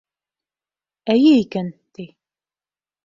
Эйе икән, ти.